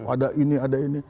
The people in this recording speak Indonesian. ada ini ada ini